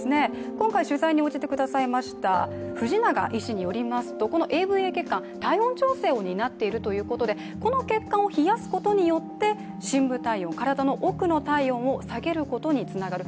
今回取材に応じてくださいました藤永医師によりますとＡＶＡ血管体温調整を担っているということでこの血管を冷やすことによって深部体温、体の奥の体温を下げることにつながる。